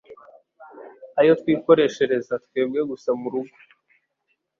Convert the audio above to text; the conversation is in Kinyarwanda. “ayo twikoreshereza twebwe gusa mu rugo.”